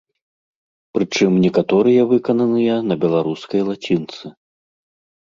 Прычым, некаторыя выкананыя на беларускай лацінцы.